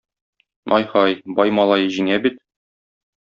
Ай-һай, бай малае җиңә бит.